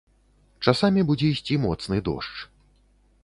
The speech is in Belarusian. Часамі будзе ісці моцны дождж.